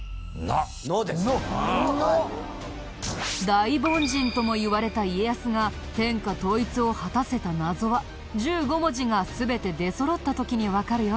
大凡人ともいわれた家康が天下統一を果たせた謎は１５文字が全て出そろった時にわかるよ。